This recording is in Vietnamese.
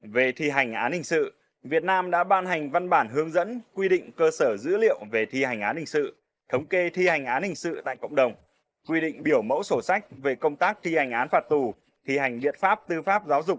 về thi hành án hình sự việt nam đã ban hành văn bản hướng dẫn quy định cơ sở dữ liệu về thi hành án hình sự thống kê thi hành án hình sự tại cộng đồng quy định biểu mẫu sổ sách về công tác thi hành án phạt tù thi hành biện pháp tư pháp giáo dục